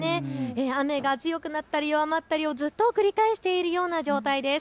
雨が強くなったり弱まったりをずっと繰り返しているような状態です。